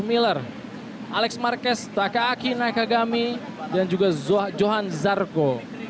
miller alex marquez taka aki naika gami dan juga johan zarco